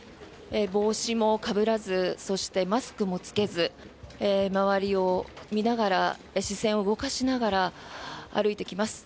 帽子もかぶらずそしてマスクも着けず周りを見ながら視線を動かしながら歩いてきます。